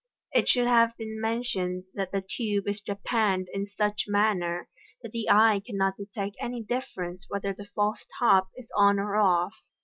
(It should have been t$Z MODERN MA GIC. mentioned that the tube is japanned in such manner that the eye cannot detect any difference whether the false top is on or off.)